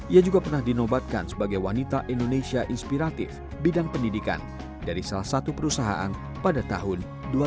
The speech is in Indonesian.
ia juga pernah dinobatkan sebagai wanita indonesia inspiratif bidang pendidikan dari salah satu perusahaan pada tahun dua ribu